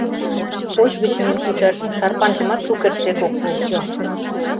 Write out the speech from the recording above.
Поч гыч миен кучаш — шарпанжымат шукертсек ок пулчо.